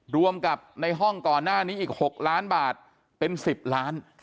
รวมกับในห้องก่อนหน้านี้อีก๖ล้านบาทเป็น๑๐ล้าน